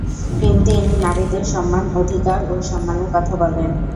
তিনি নারীদের সমান অধিকার ও সম্মানের কথা বলেন।